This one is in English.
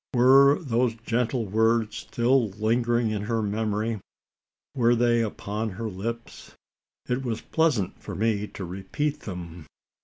Were those gentle words still lingering in her memory? Were they upon her lips? It was pleasant for me to repeat them.